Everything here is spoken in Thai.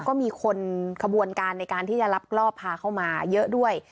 ก็มีคนขบวนการในการที่จะลักลอบพาเข้ามาเยอะด้วย